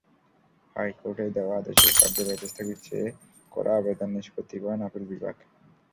হাইকোর্টের দেওয়া আদেশের কার্যকারিতা স্থগিত চেয়ে করা আবেদন নিষ্পত্তি করেন আপিল বিভাগ।